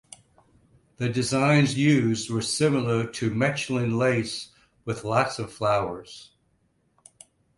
The designs used were similar to Mechlin lace, with lots of flowers.